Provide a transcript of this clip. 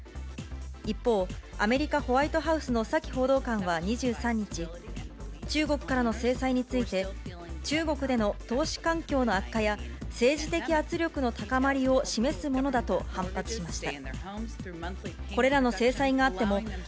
一方、アメリカ・ホワイトハウスのサキ報道官は２３日、中国からの制裁について、中国での投資環境の悪化や、政治的圧力の高まりを示すものだと反発しました。